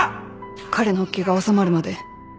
彼の気が治まるまで。